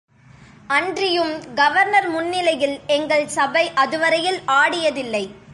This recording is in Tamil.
அன்றியும் கவர்னர் முன்னிலையில் எங்கள் சபை அதுவரையில் ஆடியதில்லை.